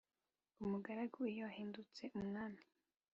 umugaragu iyo ahindutse umwami,